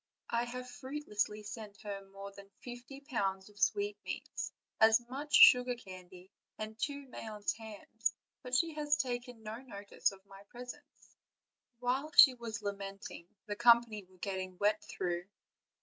I have fruitlessly sent her more than fifty pounds of sweet meats, as much sugar candy, and two Mayence hams; but she has taken no notice of my presents." While she was lamenting, the company were getting wet through.